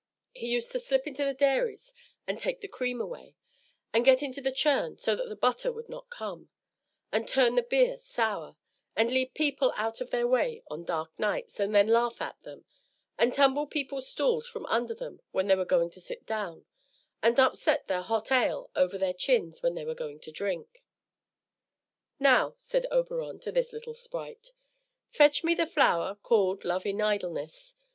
He used to slip into the dairies and take the cream away, and get into the churn so that the butter would not come, and turn the beer sour, and lead people out of their way on dark nights and then laugh at them, and tumble people's stools from under them when they were going to sit down, and upset their hot ale over their chins when they were going to drink. "Now," said Oberon to this little sprite, "fetch me the flower called Love in idleness.